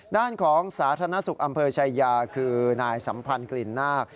ด้านของสาธารณสุขอำเภอชายาคือนายสัมพันธ์กลิ่นนาค